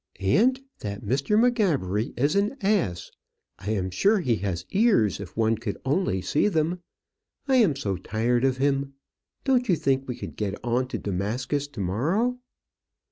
"Aunt, that Mr. M'Gabbery is an ass. I am sure he has ears if one could only see them. I am so tired of him. Don't you think we could get on to Damascus to morrow?"